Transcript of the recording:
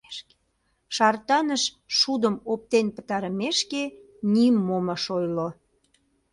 Шартаныш шудым оптен пытарымешке, нимом ыш ойло.